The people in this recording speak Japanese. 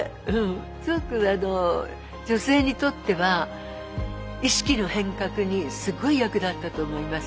すごく女性にとっては意識の変革にすごい役立ったと思います。